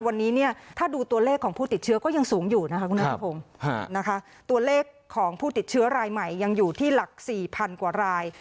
วันนี้ถ้าดูตัวเลขของผู้ติดเชื้อก็ยังสูงอยู่ตัวเลขของผู้ติดเชื้อรายใหม่ยังอยู่ที่หลัก๔๐๐๐กว่าราย